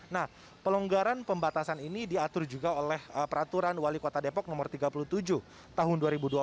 nah pelonggaran pembatasan ini diatur juga oleh peraturan wali kota depok no tiga puluh tujuh tahun dua ribu dua puluh